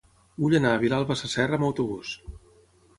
Vull anar a Vilalba Sasserra amb autobús.